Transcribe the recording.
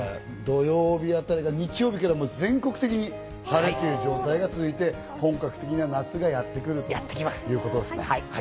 日曜日から全国的に晴れという状態が続いて本格的な夏がやってくるということですね。